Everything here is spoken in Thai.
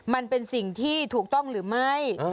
มันเป็นสิ่งที่ถูกต้องหรือไม่